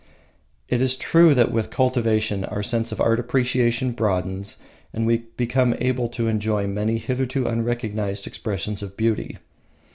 It is true that with cultivation our sense of art appreciation broadens, and we become able to enjoy many hitherto unrecognised expressions of beauty.